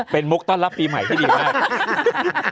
เป็นมุกต้อนรับปีใหม่ที่ดีมาก